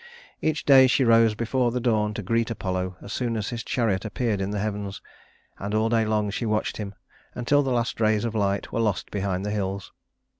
Each day she rose before the dawn to greet Apollo as soon as his chariot appeared in the heavens, and all day long she watched him until the last rays of light were lost behind the hills.